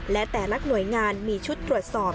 และแต่ละหน่วยงานมีชุดตรวจสอบ